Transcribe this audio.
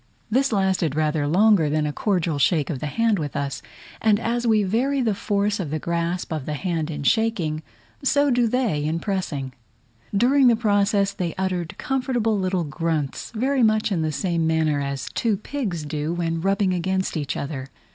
This lasted rather longer than a cordial shake of the hand with us, and as we vary the force of the grasp of the hand in shaking, so do they in pressing. During the process they uttered comfortable little grunts, very much in the same manner as two pigs do, when rubbing against each other.